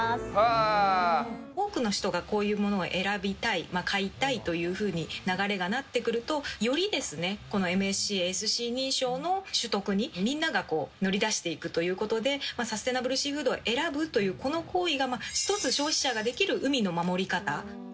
多くの人が、こういうものを選びたい、買いたいというふうに流れがなってくると、よりこのＭＳＣ・ＡＳＣ認証の取得にみんなが乗り出していくということで、サステナブルシーフードを選ぶというこの行為が、一つ、消費者ができる海の守り方。